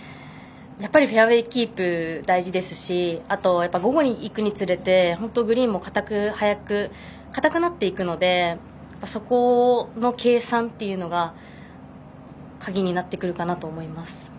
やっぱりフェアウエーキープ大事ですしあと、午後にいくにつれてグリーンも硬くなっていくのでそこの計算というのが鍵になってくるかなと思います。